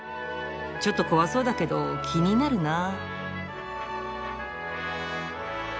ちょっと怖そうだけど気になるなぁ！